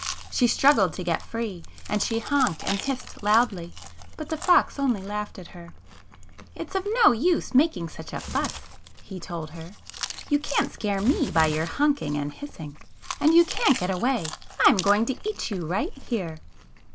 She struggled to get free, and she honked and hissed loudly, but the fox only laughed at her. ''It's of no use making such a fuss," he told her. "You can't scare me by your honking and hissing, and you can't get away. I'm going to eat you right here."